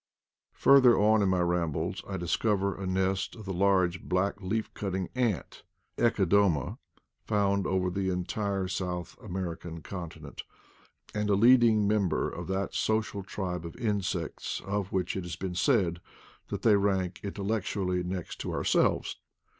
Further on in my rambles I discover a nest of the large black leaf cutting ant (GEcodoma) found over the entire South American continent — and a leading member of that social tribe of insects of which it has been said that they rank intellectually next to ourselves.